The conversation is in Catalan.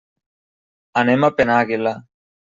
Anem a Penàguila.